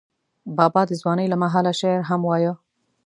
بابا د ځوانۍ له مهاله شعر هم وایه.